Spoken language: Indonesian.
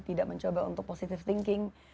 tidak mencoba untuk positive thinking